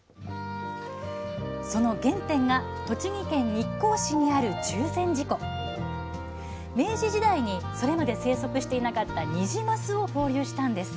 その原点が栃木県日光市にある明治時代にそれまで生息していなかったニジマスを放流したんです。